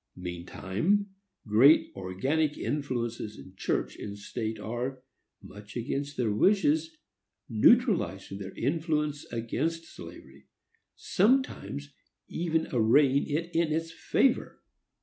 Meantime, great organic influences in church and state are, much against their wishes, neutralizing their influence against slavery,—sometimes even arraying it in its favor.